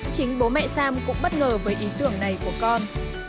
chính bố mẹ sam cũng bất ngờ với ý tưởng này của con